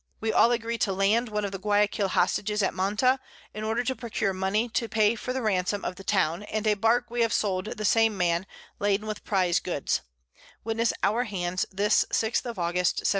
We all agree to land one of the_ Guiaquil Hostages at Manta, _in order to procure Money to pay for the Ransom of the Town, and a Bark we have sold the same Man, laden with Prize Goods, Witness our Hands this_ 6th of August, 1709.